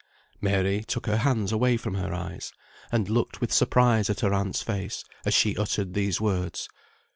Mary took her hands away from her eyes, and looked with surprise at her aunt's face, as she uttered these words.